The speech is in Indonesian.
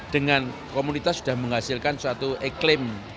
dengan komunitas sudah menghasilkan suatu iklim